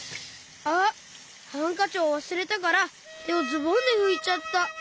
あっハンカチをわすれたからてをズボンでふいちゃった！